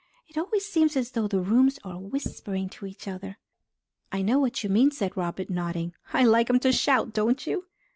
It always seems as though the rooms are whispering to each other." "I know what you mean," said Robert, nodding. "I like 'em to shout; don't you?"